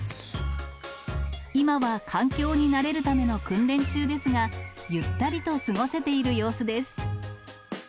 今は環境に慣れるための訓練中ですが、ゆったりと過ごせている様子です。